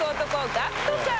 ＧＡＣＫＴさん